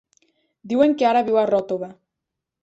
Diuen que ara viu a Ròtova.